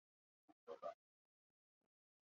她现在是澳大利亚公民。